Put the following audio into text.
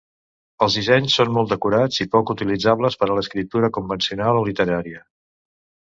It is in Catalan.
Els dissenys són molt decorats i poc utilitzables per a escriptura convencional o literària.